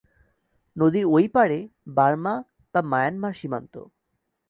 নদীর ঐ পাড়ে বার্মা বা মায়ানমার সীমান্ত।